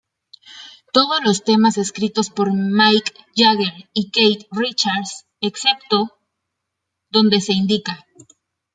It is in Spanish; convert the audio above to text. Todos los temas escritos por Mick Jagger y Keith Richards, excepto donde se indica.